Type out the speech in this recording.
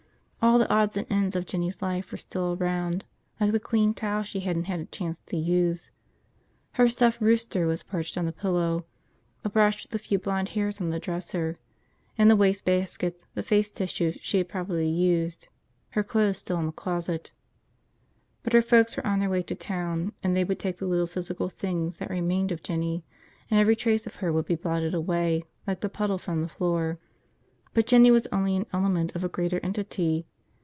All the odds and ends of Jinny's life were still around, like the clean towel she hadn't had a chance to use. Her stuffed rooster was perched on the pillow, a brush with a few blond hairs on the dresser, in the wastebasket the face tissues she had probably used, her clothes still in the closet. But her folks were on their way to town and they would take the little physical things that remained of Jinny, and every trace of her would be blotted away like the puddle from the floor. But Jinny was only an element of a greater entity.